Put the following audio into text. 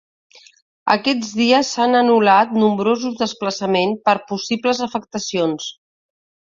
Aquests dies s’han anul·lat nombrosos desplaçaments per possibles afectacions.